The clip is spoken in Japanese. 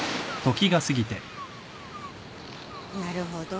なるほど。